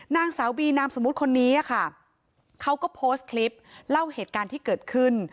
นางสาวบีนามสมมุติคนนี้ค่ะเขาก็โพสต์คลิปเล่าเหตุการณ์ที่เกิดขึ้น